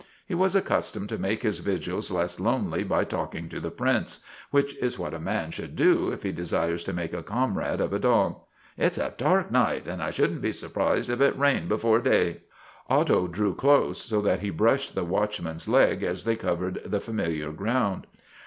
He was accustomed to make his vigils less lonely by talking to the Prince, which is what a man should do if he desires to make a comrade of a dog. ' It 's a dark night, and I shouldn't be s'prised if it rained be fore day." Otto drew close so that he brushed the watchman's leg as they covered the familiar ground.